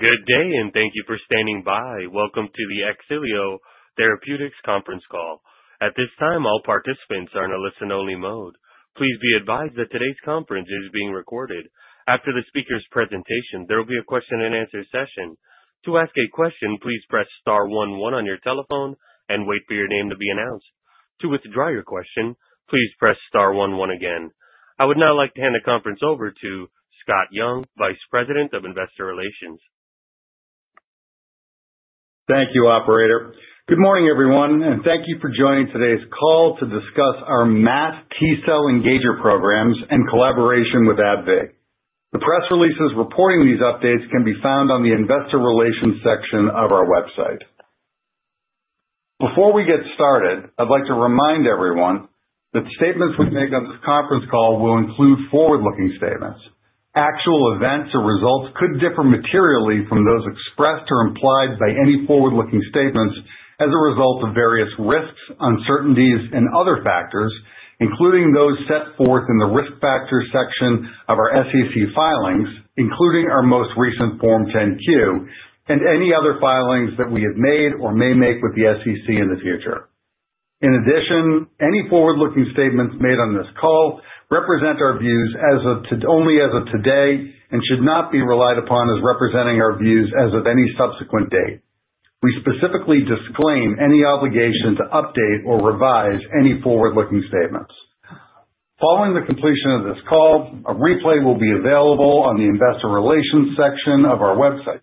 Good day, and thank you for standing by. Welcome to the Xilio Therapeutics conference call. At this time, all participants are in a listen-only mode. Please be advised that today's conference is being recorded. After the speaker's presentation, there will be a question-and-answer session. To ask a question, please press star one one on your telephone and wait for your name to be announced. To withdraw your question, please press star one one again. I would now like to hand the conference over to Scott Young, Vice President of Investor Relations. Thank you, Operator. Good morning, everyone, and thank you for joining today's call to discuss our masked T-cell engager programs and collaboration with AbbVie. The press releases reporting these updates can be found on the Investor Relations section of our website. Before we get started, I'd like to remind everyone that statements we make on this conference call will include forward-looking statements. Actual events or results could differ materially from those expressed or implied by any forward-looking statements as a result of various risks, uncertainties, and other factors, including those set forth in the risk factor section of our SEC filings, including our most recent Form 10-Q and any other filings that we have made or may make with the SEC in the future. In addition, any forward-looking statements made on this call represent our views only as of today and should not be relied upon as representing our views as of any subsequent date. We specifically disclaim any obligation to update or revise any forward-looking statements. Following the completion of this call, a replay will be available on the Investor Relations section of our website.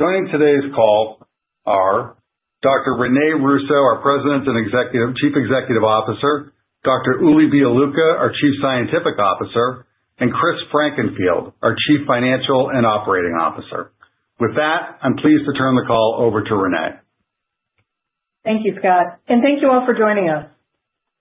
Joining today's call are Dr. René Russo, our President and Chief Executive Officer; Dr. Uli Bialucha, our Chief Scientific Officer; and Chris Frankenfield, our Chief Financial and Operating Officer. With that, I'm pleased to turn the call over to René. Thank you, Scott, and thank you all for joining us.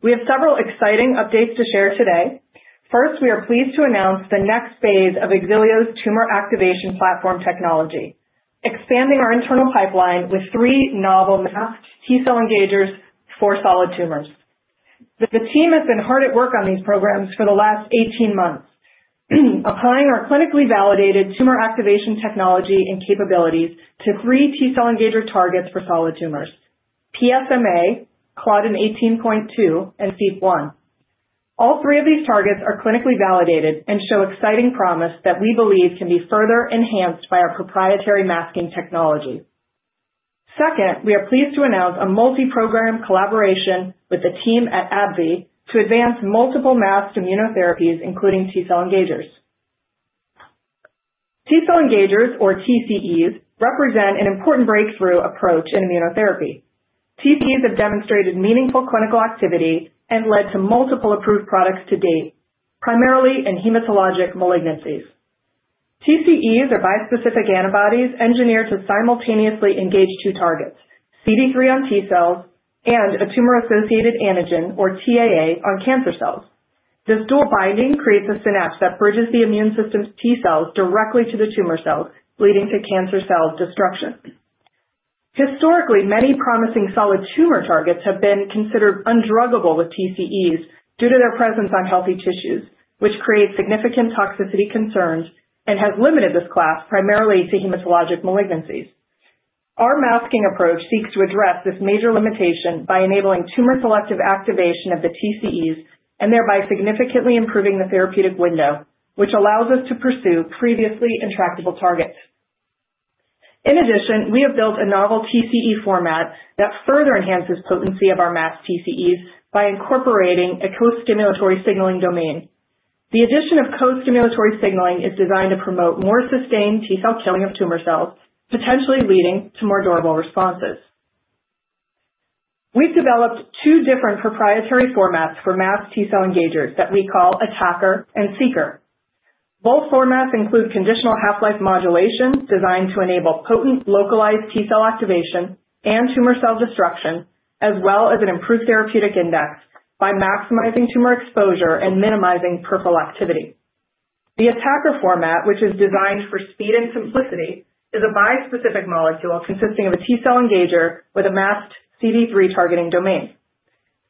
We have several exciting updates to share today. First, we are pleased to announce the next phase of Xilio's tumor activation platform technology, expanding our internal pipeline with three novel masked T-cell engagers for solid tumors. The team has been hard at work on these programs for the last 18 months, applying our clinically validated tumor activation technology and capabilities to three T-cell engager targets for solid tumors: PSMA, CLDN18.2, and STEAP1. All three of these targets are clinically validated and show exciting promise that we believe can be further enhanced by our proprietary masking technology. Second, we are pleased to announce a multi-program collaboration with the team at AbbVie to advance multiple masked immunotherapies, including T-cell engagers. T-cell engagers, or TCEs, represent an important breakthrough approach in immunotherapy. TCEs have demonstrated meaningful clinical activity and led to multiple approved products to date, primarily in hematologic malignancies. TCEs are bispecific antibodies engineered to simultaneously engage two targets: CD3 on T-cells and a tumor-associated antigen, or TAA, on cancer cells. This dual binding creates a synapse that bridges the immune system's T-cells directly to the tumor cells, leading to cancer cell destruction. Historically, many promising solid tumor targets have been considered undruggable with TCEs due to their presence on healthy tissues, which creates significant toxicity concerns and has limited this class primarily to hematologic malignancies. Our masking approach seeks to address this major limitation by enabling tumor-selective activation of the TCEs and thereby significantly improving the therapeutic window, which allows us to pursue previously intractable targets. In addition, we have built a novel TCE format that further enhances the potency of our masked TCEs by incorporating a co-stimulatory signaling domain. The addition of co-stimulatory signaling is designed to promote more sustained T-cell killing of tumor cells, potentially leading to more durable responses. We've developed two different proprietary formats for masked T-cell engagers that we call ATACR and SEECR. Both formats include conditional half-life modulation designed to enable potent localized T-cell activation and tumor cell destruction, as well as an improved therapeutic index by maximizing tumor exposure and minimizing peripheral activity. The ATACR format, which is designed for speed and simplicity, is a bispecific molecule consisting of a T-cell engager with a masked CD3 targeting domain.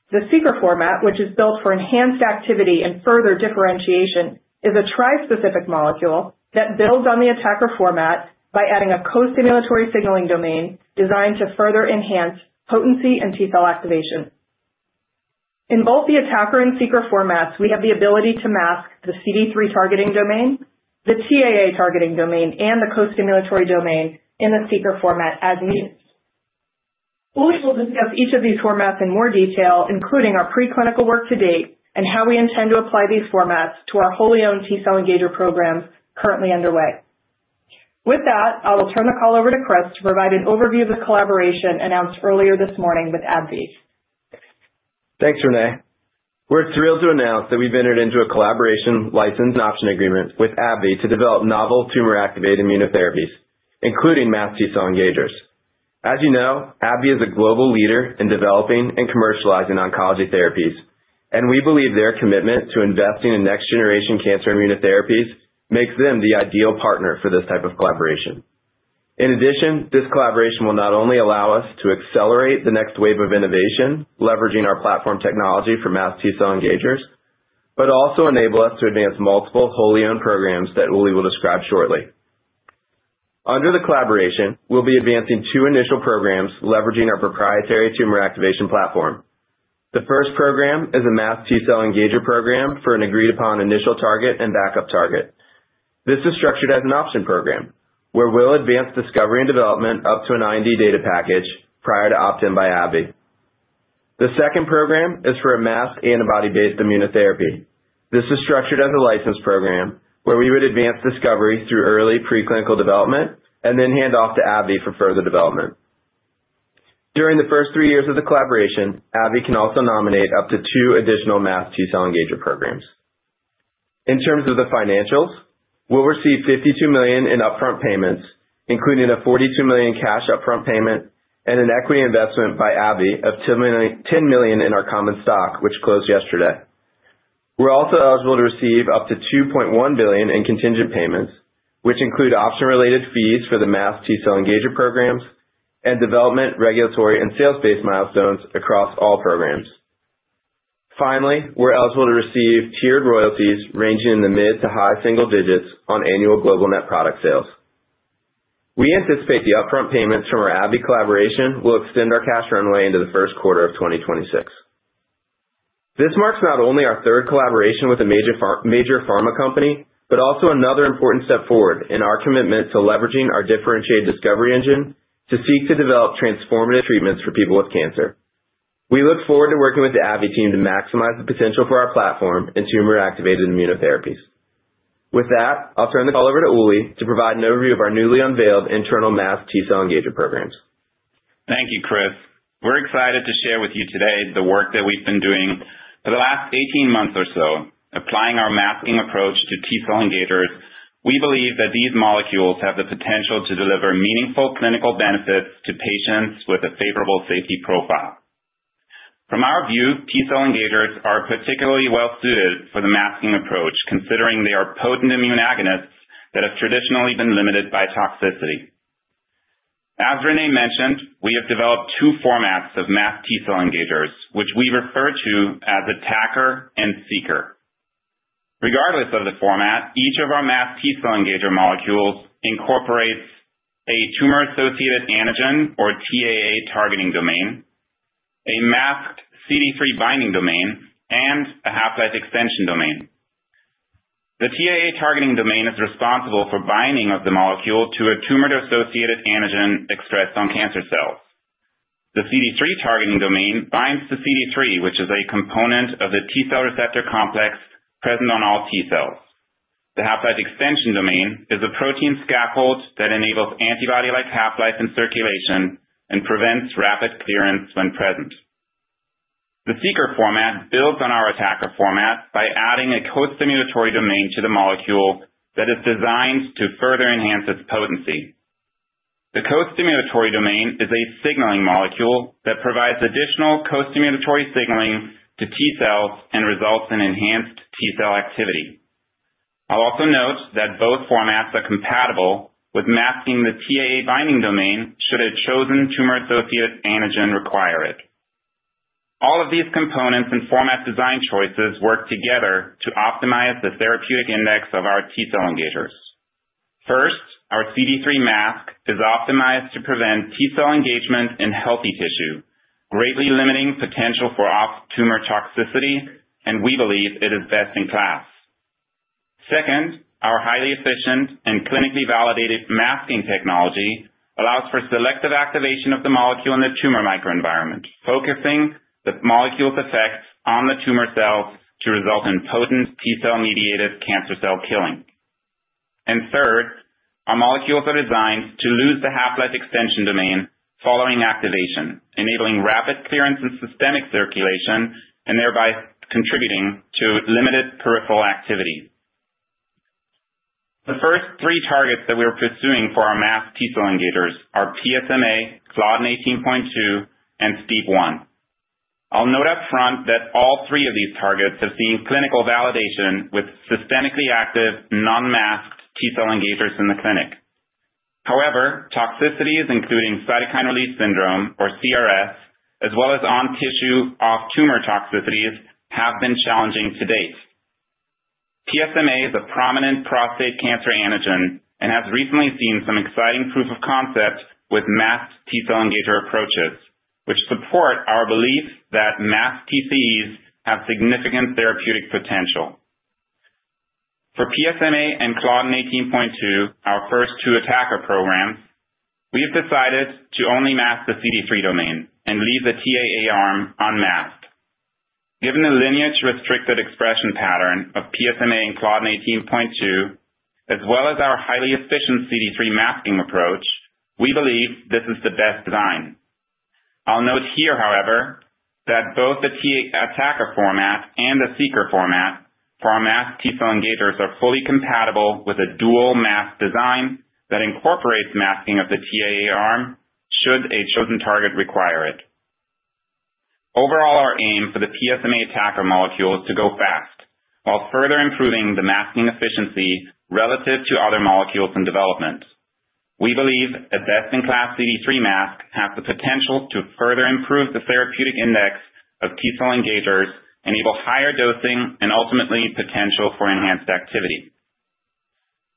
The SEECR format, which is built for enhanced activity and further differentiation, is a trispecific molecule that builds on the ATACR format by adding a co-stimulatory signaling domain designed to further enhance potency and T-cell activation. In both the ATACR and SEECR formats, we have the ability to mask the CD3 targeting domain, the TAA targeting domain, and the co-stimulatory domain in the SEECR format as needed. We will discuss each of these formats in more detail, including our preclinical work to date and how we intend to apply these formats to our wholly-owned T-cell engager programs currently underway. With that, I will turn the call over to Chris to provide an overview of the collaboration announced earlier this morning with AbbVie. Thanks, René. We're thrilled to announce that we've entered into a collaboration license and option agreement with AbbVie to develop novel tumor-activated immunotherapies, including masked T-cell engagers. As you know, AbbVie is a global leader in developing and commercializing oncology therapies, and we believe their commitment to investing in next-generation cancer immunotherapies makes them the ideal partner for this type of collaboration. In addition, this collaboration will not only allow us to accelerate the next wave of innovation, leveraging our platform technology for masked T-cell engagers, but also enable us to advance multiple wholly-owned programs that Uli will describe shortly. Under the collaboration, we'll be advancing two initial programs leveraging our proprietary tumor activation platform. The first program is a masked T-cell engager program for an agreed-upon initial target and backup target. This is structured as an option program, where we'll advance discovery and development up to an IND data package prior to opt-in by AbbVie. The second program is for a masked antibody-based immunotherapy. This is structured as a licensed program, where we would advance discovery through early preclinical development and then hand off to AbbVie for further development. During the first three years of the collaboration, AbbVie can also nominate up to two additional masked T-cell engager programs. In terms of the financials, we'll receive $52 million in upfront payments, including a $42 million cash upfront payment and an equity investment by AbbVie of $10 million in our common stock, which closed yesterday. We're also eligible to receive up to $2.1 billion in contingent payments, which include option-related fees for the masked T-cell engager programs and development, regulatory, and sales-based milestones across all programs. Finally, we're eligible to receive tiered royalties ranging in the mid to high single digits on annual global net product sales. We anticipate the upfront payments from our AbbVie collaboration will extend our cash runway into the first quarter of 2026. This marks not only our third collaboration with a major pharma company, but also another important step forward in our commitment to leveraging our differentiated discovery engine to seek to develop transformative treatments for people with cancer. We look forward to working with the AbbVie team to maximize the potential for our platform in tumor-activated immunotherapies. With that, I'll turn the call over to Uli to provide an overview of our newly unveiled internal masked T-cell engager programs. Thank you, Chris. We're excited to share with you today the work that we've been doing for the last 18 months or so, applying our masking approach to T-cell engagers. We believe that these molecules have the potential to deliver meaningful clinical benefits to patients with a favorable safety profile. From our view, T-cell engagers are particularly well-suited for the masking approach, considering they are potent immunoagonists that have traditionally been limited by toxicity. As René mentioned, we have developed two formats of masked T-cell engagers, which we refer to as ATACR and SEECR. Regardless of the format, each of our masked T-cell engager molecules incorporates a tumor-associated antigen, or TAA, targeting domain, a masked CD3 binding domain, and a half-life extension domain. The TAA targeting domain is responsible for binding of the molecule to a tumor-associated antigen expressed on cancer cells. The CD3 targeting domain binds to CD3, which is a component of the T-cell receptor complex present on all T-cells. The half-life extension domain is a protein scaffold that enables antibody-like half-life in circulation and prevents rapid clearance when present. The SEECR format builds on our ATACR format by adding a co-stimulatory domain to the molecule that is designed to further enhance its potency. The co-stimulatory domain is a signaling molecule that provides additional co-stimulatory signaling to T-cells and results in enhanced T-cell activity. I'll also note that both formats are compatible with masking the TAA binding domain should a chosen tumor-associated antigen require it. All of these components and format design choices work together to optimize the therapeutic index of our T-cell engagers. First, our CD3 mask is optimized to prevent T-cell engagement in healthy tissue, greatly limiting potential for tumor toxicity, and we believe it is best in class. Second, our highly efficient and clinically validated masking technology allows for selective activation of the molecule in the tumor microenvironment, focusing the molecule's effects on the tumor cells to result in potent T-cell-mediated cancer cell killing. Third, our molecules are designed to lose the half-life extension domain following activation, enabling rapid clearance and systemic circulation and thereby contributing to limited peripheral activity. The first three targets that we are pursuing for our masked T-cell engagers are PSMA, CLDN18.2, and STEAP1. I'll note upfront that all three of these targets have seen clinical validation with systemically active, non-masked T-cell engagers in the clinic. However, toxicities, including Cytokine Release Syndrome, or CRS, as well as on-tissue, off-tumor toxicities, have been challenging to date. PSMA is a prominent prostate cancer antigen and has recently seen some exciting proof of concept with masked T-cell engager approaches, which support our belief that masked TCEs have significant therapeutic potential. For PSMA and CLDN18.2, our first two ATACR programs, we have decided to only mask the CD3 domain and leave the TAA arm unmasked. Given the lineage-restricted expression pattern of PSMA and CLDN18.2, as well as our highly efficient CD3 masking approach, we believe this is the best design. I'll note here, however, that both the ATACR format and the SEECR format for our masked T-cell engagers are fully compatible with a dual-mask design that incorporates masking of the TAA arm should a chosen target require it. Overall, our aim for the PSMA ATACR molecules is to go fast while further improving the masking efficiency relative to other molecules in development. We believe a best-in-class CD3 mask has the potential to further improve the therapeutic index of T-cell engagers, enable higher dosing, and ultimately potential for enhanced activity.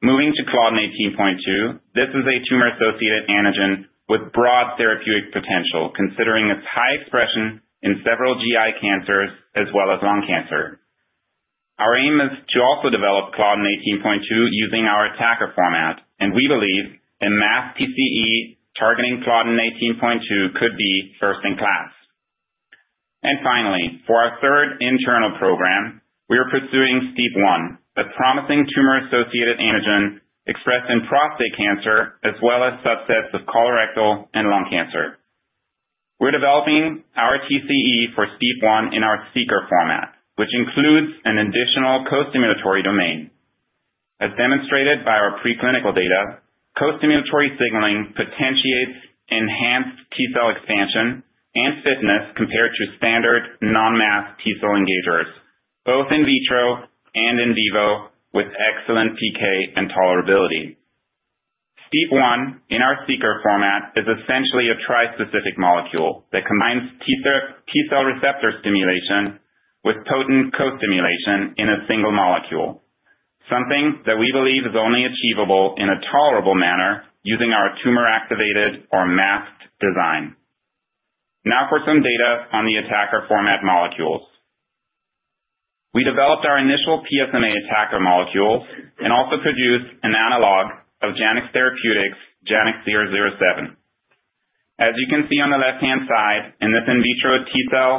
Moving to CLDN18.2, this is a tumor-associated antigen with broad therapeutic potential, considering its high expression in several GI cancers as well as lung cancer. Our aim is to also develop CLDN18.2 using our ATACR format, and we believe a masked TCE targeting CLDN18.2 could be first in class. Finally, for our third internal program, we are pursuing STEAP1, a promising tumor-associated antigen expressed in prostate cancer as well as subsets of colorectal and lung cancer. We're developing our TCE for STEAP1 in our SEECR format, which includes an additional co-stimulatory domain. As demonstrated by our preclinical data, co-stimulatory signaling potentiates enhanced T-cell expansion and fitness compared to standard non-masked T-cell engagers, both in vitro and in vivo with excellent PK and tolerability. STEAP1 in our SEECR format is essentially a trispecific molecule that combines T-cell receptor stimulation with potent co-stimulation in a single molecule, something that we believe is only achievable in a tolerable manner using our tumor-activated or masked design. Now for some data on the ATACR format molecules. We developed our initial PSMA ATACR molecules and also produced an analog of Janux Therapeutics, JANX007. As you can see on the left-hand side in this in vitro T-cell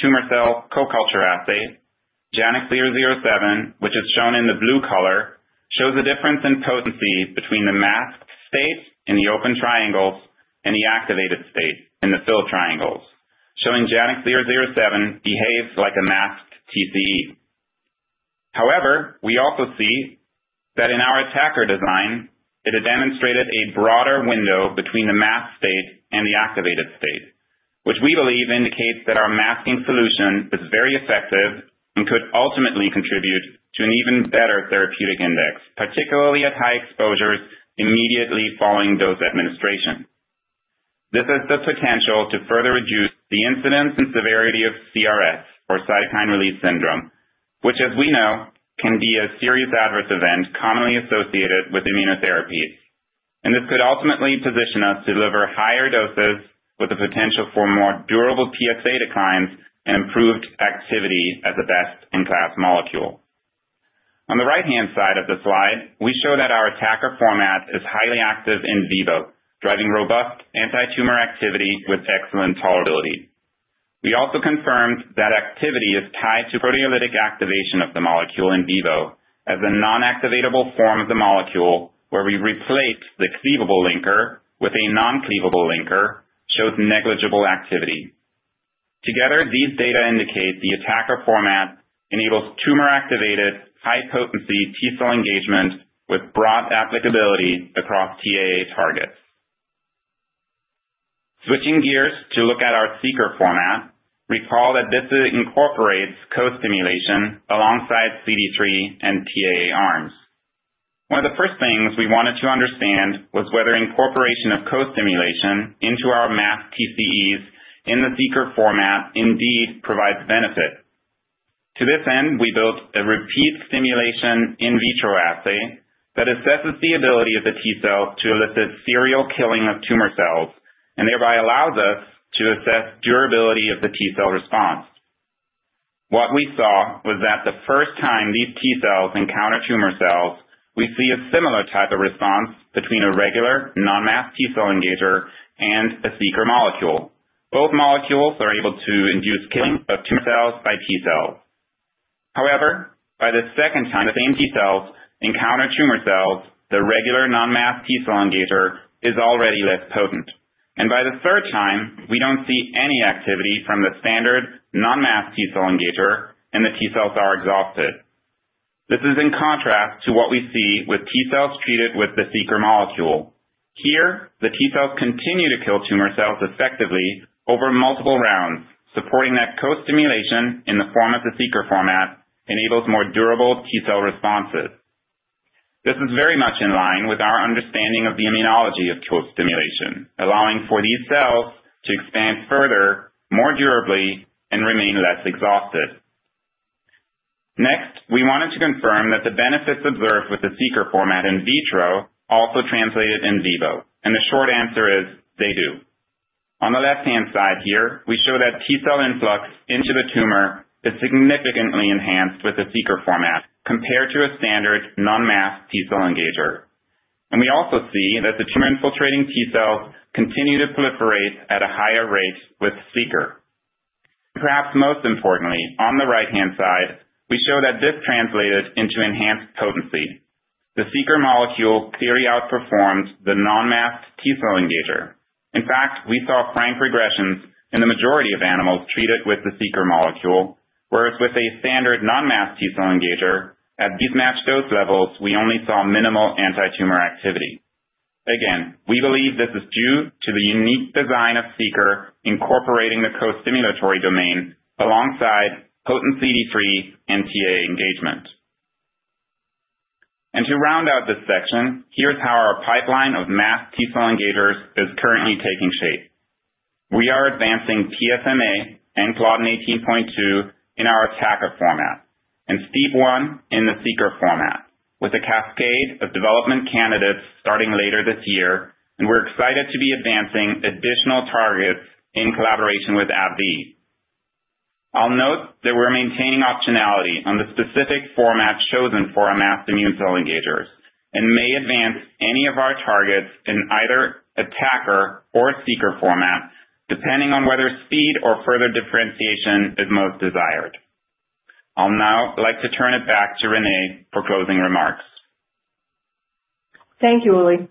tumor cell co-culture assay, JANX007, which is shown in the blue color, shows a difference in potency between the masked state in the open triangles and the activated state in the filled triangles, showing JANX007 behaves like a masked TCE. However, we also see that in our ATACR design, it demonstrated a broader window between the masked state and the activated state, which we believe indicates that our masking solution is very effective and could ultimately contribute to an even better therapeutic index, particularly at high exposures immediately following dose administration. This has the potential to further reduce the incidence and severity of CRS, or Cytokine Release Syndrome, which, as we know, can be a serious adverse event commonly associated with immunotherapies, and this could ultimately position us to deliver higher doses with the potential for more durable PSA declines and improved activity as a best-in-class molecule. On the right-hand side of the slide, we show that our ATACR format is highly active in vivo, driving robust anti-tumor activity with excellent tolerability. We also confirmed that activity is tied to proteolytic activation of the molecule in vivo as a non-activatable form of the molecule where we replace the cleavable linker with a non-cleavable linker, which shows negligible activity. Together, these data indicate the ATACR format enables tumor-activated, high-potency T-cell engagement with broad applicability across TAA targets. Switching gears to look at our SEECR format, recall that this incorporates co-stimulation alongside CD3 and TAA arms. One of the first things we wanted to understand was whether incorporation of co-stimulation into our masked TCEs in the SEECR format indeed provides benefit. To this end, we built a repeat stimulation in vitro assay that assesses the ability of the T-cell to elicit serial killing of tumor cells and thereby allows us to assess durability of the T-cell response. What we saw was that the first time these T-cells encounter tumor cells, we see a similar type of response between a regular non-masked T-cell engager and a SEECR molecule. Both molecules are able to induce killing of tumor cells by T-cells. However, by the second time the same T-cells encounter tumor cells, the regular non-masked T-cell engager is already less potent. By the third time, we don't see any activity from the standard non-masked T-cell engager, and the T-cells are exhausted. This is in contrast to what we see with T-cells treated with the SEECR molecule. Here, the T-cells continue to kill tumor cells effectively over multiple rounds, supporting that co-stimulation in the form of the SEECR format enables more durable T-cell responses. This is very much in line with our understanding of the immunology of co-stimulation, allowing for these cells to expand further, more durably, and remain less exhausted. Next, we wanted to confirm that the benefits observed with the SEECR format in vitro also translated in vivo, and the short answer is they do. On the left-hand side here, we show that T-cell influx into the tumor is significantly enhanced with the SEECR format compared to a standard non-masked T-cell engager. We also see that the tumor-infiltrating T-cells continue to proliferate at a higher rate with SEECR. Perhaps most importantly, on the right-hand side, we show that this translated into enhanced potency. The SEECR molecule clearly outperformed the non-masked T-cell engager. In fact, we saw frank regressions in the majority of animals treated with the SEECR molecule, whereas with a standard non-masked T-cell engager, at these matched dose levels, we only saw minimal anti-tumor activity. Again, we believe this is due to the unique design of SEECR incorporating the co-stimulatory domain alongside potent CD3 and TAA engagement. To round out this section, here's how our pipeline of masked T-cell engagers is currently taking shape. We are advancing PSMA and CLDN18.2 in our ATACR format and STEAP1 in the SEECR format, with a cascade of development candidates starting later this year, and we're excited to be advancing additional targets in collaboration with AbbVie. I'll note that we're maintaining optionality on the specific format chosen for our masked immune cell engagers and may advance any of our targets in either ATACR or SEECR format, depending on whether speed or further differentiation is most desired. I'd now like to turn it back to René for closing remarks. Thank you, Uli.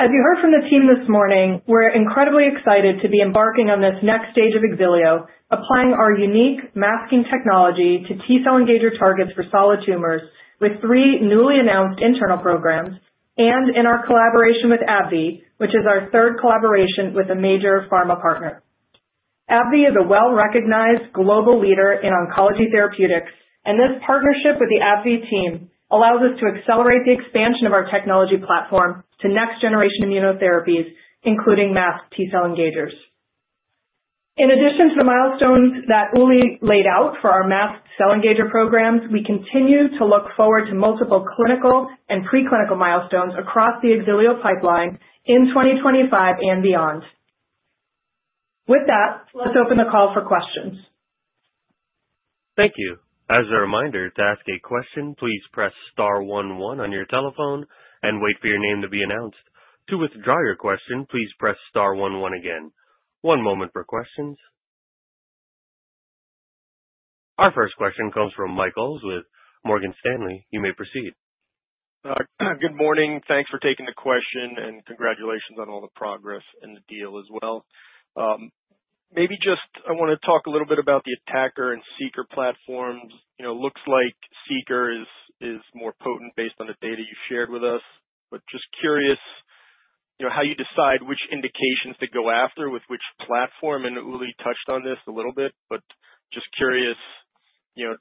As you heard from the team this morning, we're incredibly excited to be embarking on this next stage of Xilio, applying our unique masking technology to T-cell engager targets for solid tumors with three newly announced internal programs and in our collaboration with AbbVie, which is our third collaboration with a major pharma partner. AbbVie is a well-recognized global leader in oncology therapeutics, and this partnership with the AbbVie team allows us to accelerate the expansion of our technology platform to next-generation immunotherapies, including masked T-cell engagers. In addition to the milestones that Uli laid out for our masked T-cell engager programs, we continue to look forward to multiple clinical and preclinical milestones across the Xilio pipeline in 2025 and beyond. With that, let's open the call for questions. Thank you. As a reminder, to ask a question, please press star one one on your telephone and wait for your name to be announced. To withdraw your question, please press star one one again. One moment for questions. Our first question comes from Michael with Morgan Stanley. You may proceed. Good morning. Thanks for taking the question, and congratulations on all the progress and the deal as well. Maybe just I want to talk a little bit about the ATACR and SEECR platforms. Looks like SEECR is more potent based on the data you shared with us, but just curious how you decide which indications to go after with which platform, and Uli touched on this a little bit, but just curious, or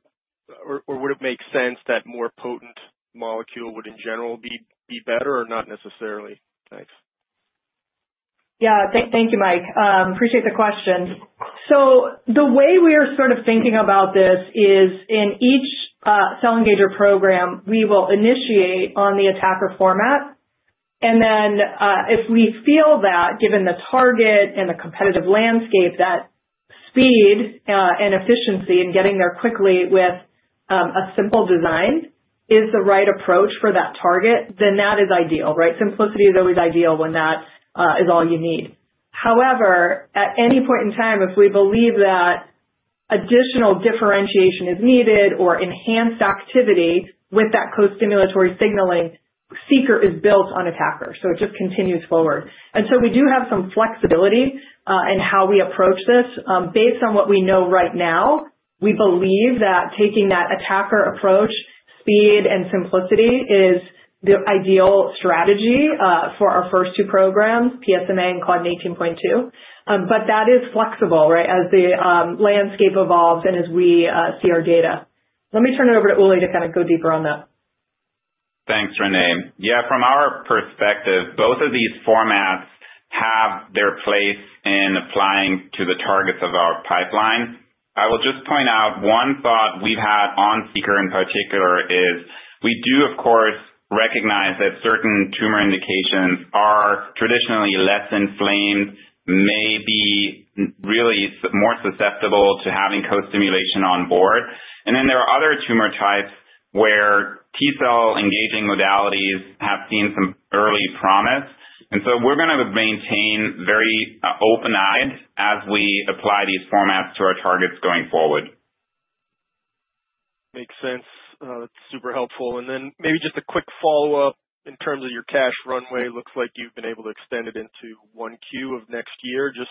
would it make sense that more potent molecule would in general be better or not necessarily? Thanks. Yeah, thank you, Mike. Appreciate the question. The way we are sort of thinking about this is in each cell Engager program, we will initiate on the ATACR format, and then if we feel that, given the target and the competitive landscape, that speed and efficiency in getting there quickly with a simple design is the right approach for that target, then that is ideal, right? Simplicity is always ideal when that is all you need. However, at any point in time, if we believe that additional differentiation is needed or enhanced activity with that co-stimulatory signaling, SEECR is built on ATACR, so it just continues forward. We do have some flexibility in how we approach this. Based on what we know right now, we believe that taking that ATACR approach, speed, and simplicity is the ideal strategy for our first two programs, PSMA and CLDN18.2, but that is flexible, right, as the landscape evolves and as we see our data. Let me turn it over to Uli to kind of go deeper on that. Thanks, René. Yeah, from our perspective, both of these formats have their place in applying to the targets of our pipeline. I will just point out one thought we've had on SEECR in particular is we do, of course, recognize that certain tumor indications are traditionally less inflamed, maybe really more susceptible to having co-stimulation on board, and then there are other tumor types where T-cell engaging modalities have seen some early promise. We are going to maintain very open-eyed as we apply these formats to our targets going forward. Makes sense. That's super helpful. Maybe just a quick follow-up in terms of your cash runway. Looks like you've been able to extend it into 1Q of next year. Just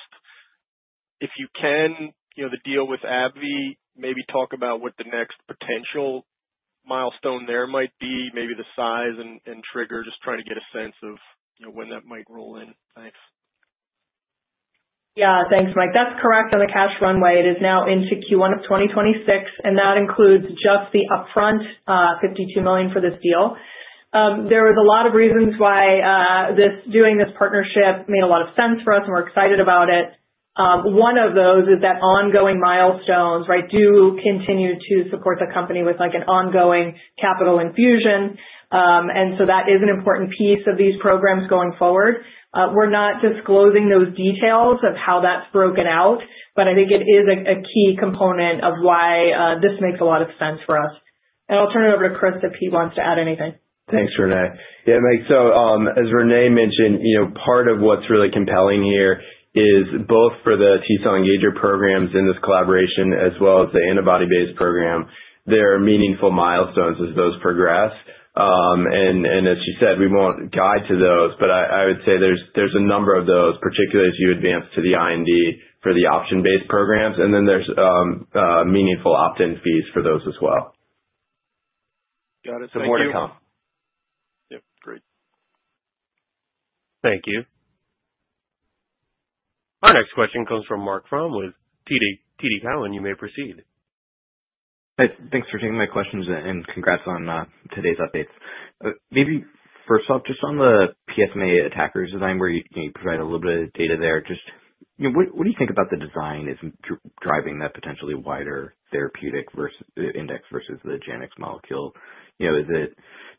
if you can, the deal with AbbVie, maybe talk about what the next potential milestone there might be, maybe the size and trigger, just trying to get a sense of when that might roll in. Thanks. Yeah, thanks, Mike. That's correct on the cash runway. It is now into Q1 of 2026, and that includes just the upfront $52 million for this deal. There was a lot of reasons why doing this partnership made a lot of sense for us, and we're excited about it. One of those is that ongoing milestones, right, do continue to support the company with an ongoing capital infusion, and so that is an important piece of these programs going forward. We're not disclosing those details of how that's broken out, but I think it is a key component of why this makes a lot of sense for us. I'll turn it over to Chris if he wants to add anything. Thanks, René. Yeah, Mike, as René mentioned, part of what's really compelling here is both for the T-cell engager programs in this collaboration as well as the antibody-based program, there are meaningful milestones as those progress. As she said, we won't guide to those, but I would say there's a number of those, particularly as you advance to the IND for the option-based programs, and then there's meaningful opt-in fees for those as well. Got it. Thank you. Yep, great. Thank you. Our next question comes from Marc Frahm with TD Cowen. You may proceed. Hey, thanks for taking my questions and congrats on today's updates. Maybe first off, just on the PSMA ATACR design, where you provided a little bit of data there, just what do you think about the design as driving that potentially wider therapeutic index versus the Janux molecule? Is it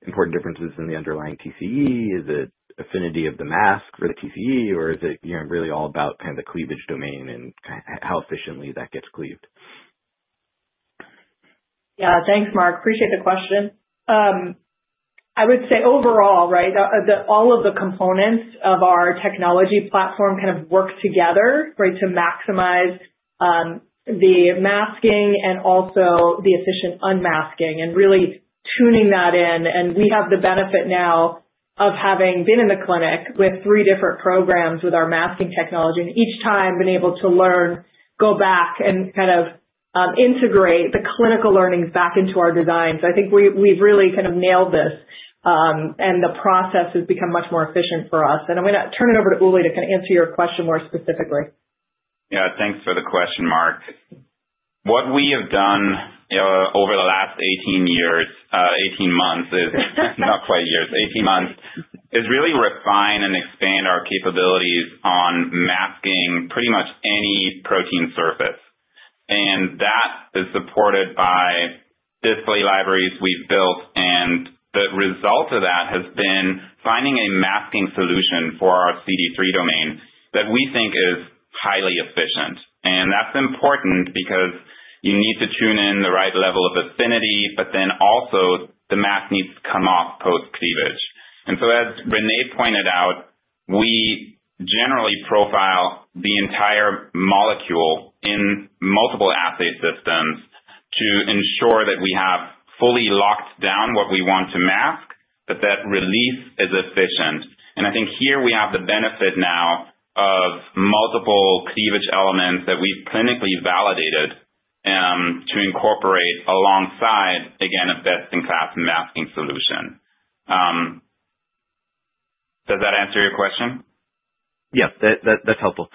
important differences in the underlying TCE? Is it affinity of the mask for the TCE, or is it really all about kind of the cleavage domain and how efficiently that gets cleaved? Yeah, thanks, Marc. Appreciate the question. I would say overall, right, all of the components of our technology platform kind of work together, right, to maximize the masking and also the efficient unmasking and really tuning that in. We have the benefit now of having been in the clinic with three different programs with our masking technology and each time been able to learn, go back, and kind of integrate the clinical learnings back into our design. I think we've really kind of nailed this, and the process has become much more efficient for us. I'm going to turn it over to Uli to kind of answer your question more specifically. Yeah, thanks for the question, Marc. What we have done over the last 18 months is really refine and expand our capabilities on masking pretty much any protein surface. That is supported by display libraries we've built, and the result of that has been finding a masking solution for our CD3 domain that we think is highly efficient. That is important because you need to tune in the right level of affinity, but then also the mask needs to come off post-cleavage. As René pointed out, we generally profile the entire molecule in multiple assay systems to ensure that we have fully locked down what we want to mask, but that release is efficient. I think here we have the benefit now of multiple cleavage elements that we've clinically validated to incorporate alongside, again, a best-in-class masking solution. Does that answer your question? Yep, that's helpful.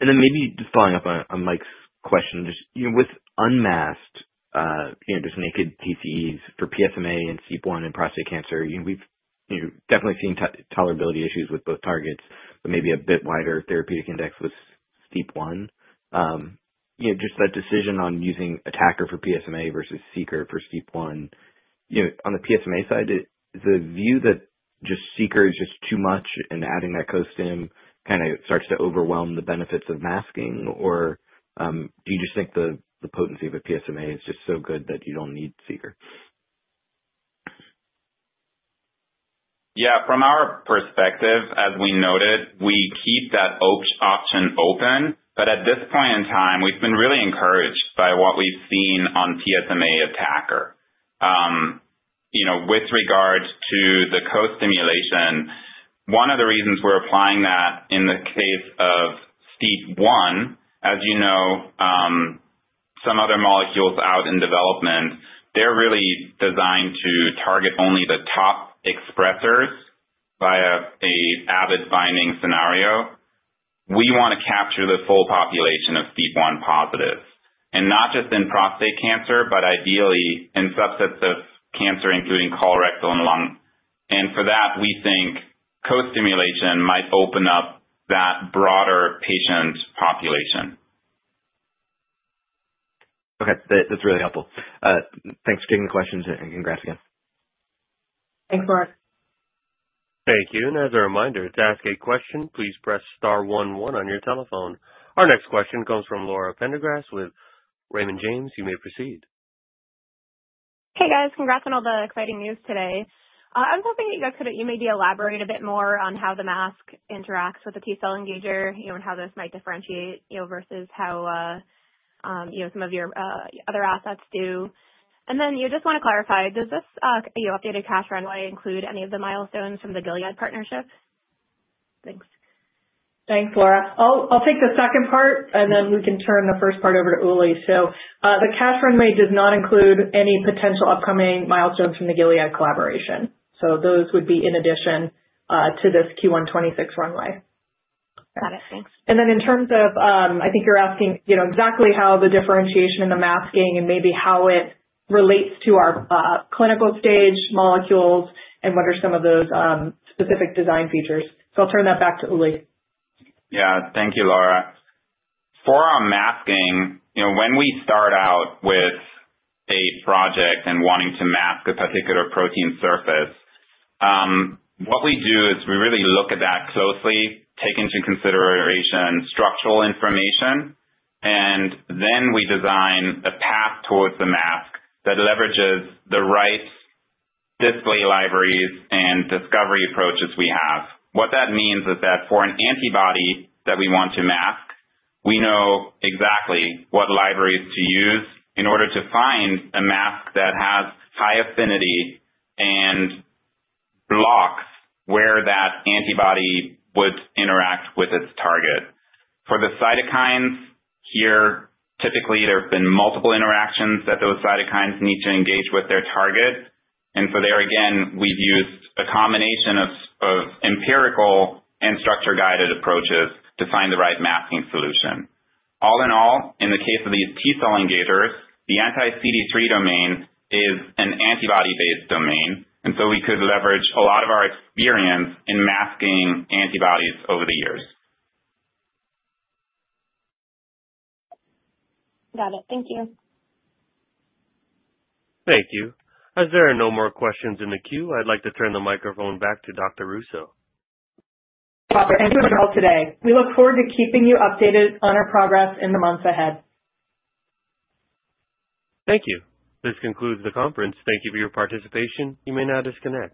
Maybe just following up on Mike's question, just with unmasked, just naked TCEs for PSMA and STEAP1 in prostate cancer, we've definitely seen tolerability issues with both targets, but maybe a bit wider therapeutic index with STEAP1. Just that decision on using ATACR for PSMA versus SEECR for STEAP1, on the PSMA side, is the view that just SEECR is just too much and adding that co-stim kind of starts to overwhelm the benefits of masking, or do you just think the potency of a PSMA is just so good that you don't need SEECR? Yeah, from our perspective, as we noted, we keep that option open, but at this point in time, we've been really encouraged by what we've seen on PSMA ATACR. With regards to the co-stimulation, one of the reasons we're applying that in the case of STEAP1, as you know, some other molecules out in development, they're really designed to target only the top expressors via an avid binding scenario. We want to capture the full population of STEAP1 positives, and not just in prostate cancer, but ideally in subsets of cancer, including colorectal and lung. For that, we think co-stimulation might open up that broader patient population. Okay, that's really helpful. Thanks for taking the question, and congrats again. Thanks, Marc. Thank you. As a reminder, to ask a question, please press star one one on your telephone. Our next question comes from Laura Prendergast with Raymond James. You may proceed. Hey, guys. Congrats on all the exciting news today. I was hoping that you guys could maybe elaborate a bit more on how the mask interacts with the T-cell engager and how this might differentiate versus how some of your other assets do. I just want to clarify, does this updated cash runway include any of the milestones from the Gilead partnership? Thanks. Thanks, Laura. I'll take the second part, and then we can turn the first part over to Uli. The cash runway does not include any potential upcoming milestones from the Gilead collaboration. Those would be in addition to this Q1 2026 runway. Got it. Thanks. In terms of, I think you're asking exactly how the differentiation in the masking and maybe how it relates to our clinical stage molecules and what are some of those specific design features. I'll turn that back to Uli. Yeah, thank you, Laura. For our masking, when we start out with a project and wanting to mask a particular protein surface, what we do is we really look at that closely, take into consideration structural information, and then we design a path towards the mask that leverages the right display libraries and discovery approaches we have. What that means is that for an antibody that we want to mask, we know exactly what libraries to use in order to find a mask that has high affinity and blocks where that antibody would interact with its target. For the cytokines here, typically there have been multiple interactions that those cytokines need to engage with their target. There, again, we've used a combination of empirical and structure-guided approaches to find the right masking solution. All in all, in the case of these T-cell engagers, the anti-CD3 domain is an antibody-based domain, and so we could leverage a lot of our experience in masking antibodies over the years. Got it. Thank you. Thank you. As there are no more questions in the queue, I'd like to turn the microphone back to Dr. Russo. Thank you for the call today. We look forward to keeping you updated on our progress in the months ahead. Thank you. This concludes the conference. Thank you for your participation. You may now disconnect.